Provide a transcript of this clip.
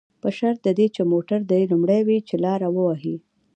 په شرط د دې چې موټر دې لومړی وي، چې لاره ووهي.